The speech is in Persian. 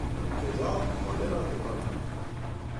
انفجار خانه را تکان داد.